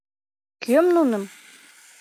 — Кӧм нуным?